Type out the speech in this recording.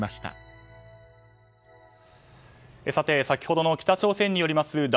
先ほどの北朝鮮によります